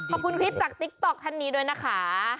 ขอบคุณคลิปจากติ๊กต๊อกท่านนี้ด้วยนะคะ